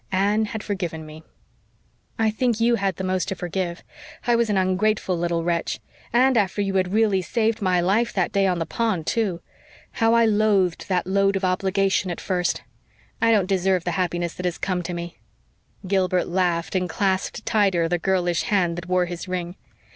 Anne had forgiven me." "I think you had the most to forgive. I was an ungrateful little wretch and after you had really saved my life that day on the pond, too. How I loathed that load of obligation at first! I don't deserve the happiness that has come to me." Gilbert laughed and clasped tighter the girlish hand that wore his ring.